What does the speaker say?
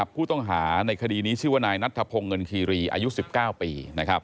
ผู้ต้องหาในคดีนี้ชื่อว่านายนัทธพงศ์เงินคีรีอายุ๑๙ปี